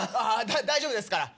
大丈夫ですから。